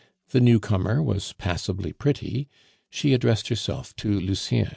The newcomer was passably pretty. She addressed herself to Lucien.